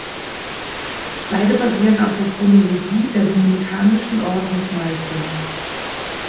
Beide basieren auf der Chronologie der dominikanischen Ordensmeister.